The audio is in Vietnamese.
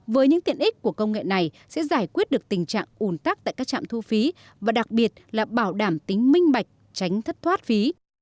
với những tiện ích của công nghệ này sẽ giải quyết được tình trạng ủn tắc tại các trạm thu phí và đặc biệt là bảo đảm tính minh bạch tránh thất thoát phí